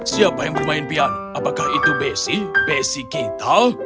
siapa yang bermain piano apakah itu bessie bessie keetal